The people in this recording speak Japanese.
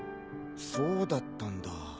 そうだったんだ。